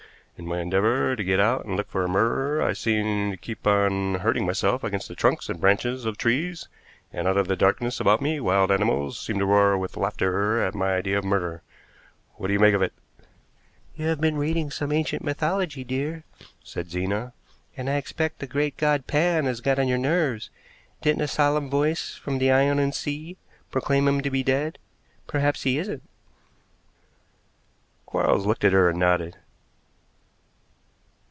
In my endeavor to get out and look for a murderer I seem to keep on hurting myself against the trunks and branches of trees, and out of the darkness about me wild animals seem to roar with laughter at my idea of murder. What do you make of it?" "You have been reading some ancient mythology, dear," said Zena, "and I expect the great god Pan has got on your nerves. Didn't a solemn voice from the Ionian Sea proclaim him to be dead? Perhaps he isn't." Quarles looked at her and nodded.